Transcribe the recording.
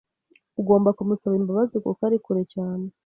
Ugomba kumusaba imbabazi kuko ari kure cyane.